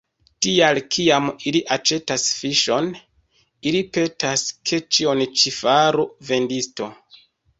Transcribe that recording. Tial, kiam ili aĉetas fiŝon, ili petas, ke ĉion ĉi faru vendisto.